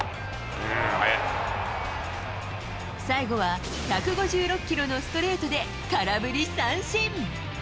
最後は、１５６キロのストレートで空振り三振。